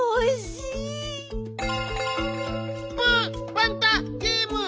パンタゲーム！